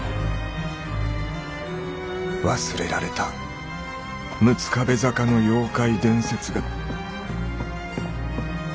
忘れられた六壁坂の妖怪伝説が。